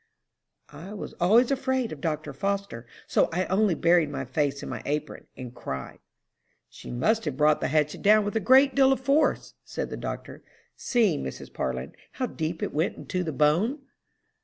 '" "I was always afraid of Dr. Foster, so I only buried my face in my apron, and cried." "'She must have brought the hatchet down with a great deal of force,' said the doctor. 'See, Mrs. Parlin, how deep it went into the bone.'"